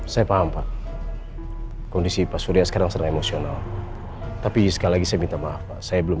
saya paham pak kondisi pak surya sekarang emosional tapi sekali lagi saya minta maaf pak saya belum